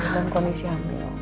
dan kondisi hamil